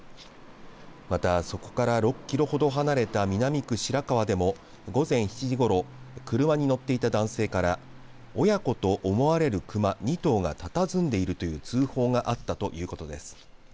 またそこから６キロほど離れた南区白川でも午前７時ごろ車に乗っていた男性から親子と思われる熊２頭がたたずんでいるという通報があったということです。